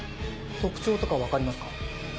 特徴とか分かりますか？